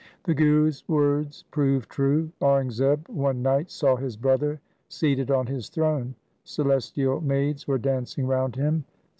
The Guru's words proved true. Aurangzeb one night saw his brother seated on his throne. Celestial maids were dancing round him.